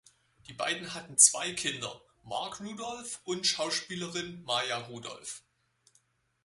Die beiden hatten zwei Kinder: Marc Rudolph und Schauspielerin Maya Rudolph.